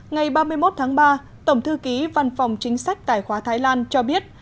ngày ba mươi một tháng ba tổng thư ký văn phòng chính sách tài khoá thái lan cho biết